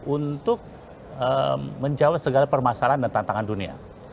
untuk menjawab segala permasalahan dan tantangan dunia